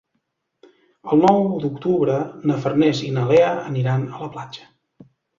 El nou d'octubre na Farners i na Lea aniran a la platja.